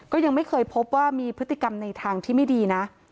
ยังไม่เคยพบว่ามีพฤติกรรมในทางที่ไม่ดีนะ